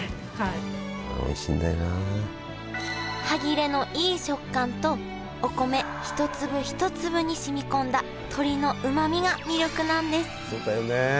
歯切れのいい食感とお米一粒一粒に染み込んだ鶏のうまみが魅力なんですそうだよね。